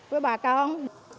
với bà con